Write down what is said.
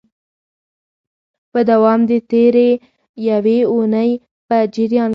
په دوام د تیري یوې اونۍ په جریان کي